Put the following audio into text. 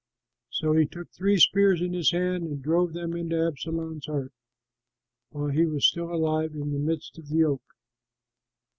So he took three spears in his hand and drove them into Absalom's heart, while he was still alive in the midst of the oak.